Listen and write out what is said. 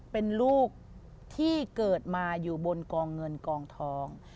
เป็นลูกที่เกิดมาอยู่บนกองเงินกองทอง